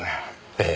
ええ。